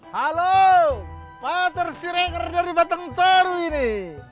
halo pak tersireker dari batang teru ini